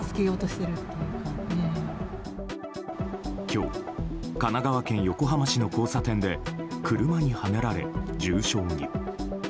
今日、神奈川県横浜市の交差点で車にはねられ重傷に。